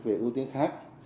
về ưu tiên khác